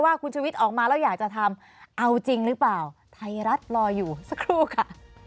ว่าคุณชุวิตออกมาแล้วอยากจะทำเอาจริงหรือเปล่าไทยรัฐรออยู่สักครู่ค่ะ